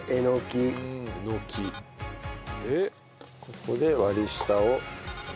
ここで割り下を。